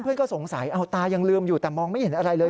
เพื่อนก็สงสัยเอาตายังลืมอยู่แต่มองไม่เห็นอะไรเลย